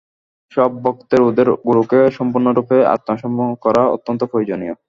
সব ভক্তের তাদের গুরুকে সম্পূর্ণরূপে আত্মসমর্পণ করা, অত্যন্ত প্রয়োজনীয়।